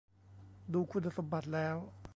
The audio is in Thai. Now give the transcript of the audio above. ดูคุณสมบัติแล้ว